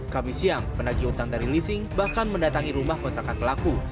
kamis siang penagih hutang dari lising bahkan mendatangi rumah kontrakan pelaku